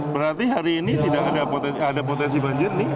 berarti hari ini tidak ada potensi banjir nih